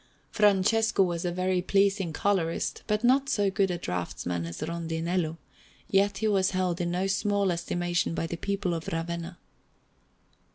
Francesco was a very pleasing colourist, but not so good a draughtsman as Rondinello; yet he was held in no small estimation by the people of Ravenna.